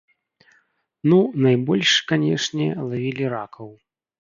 Ну, найбольш, канечне, лавілі ракаў.